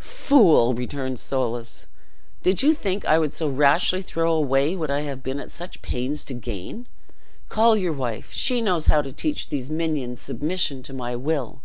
"Fool!" returned Soulis, "did you think I would so rashly throw away what I have been at such pains to gain? Call your wife; she knows how to teach these minions submission to my will."